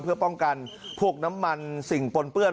เพื่อป้องกันพวกน้ำมันสิ่งปนเปื้อน